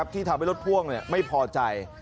ที่ทำให้รถพ่วงไม่พอใจ